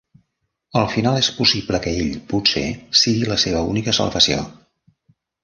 Al final és possible que ell, potser, sigui la seva única salvació.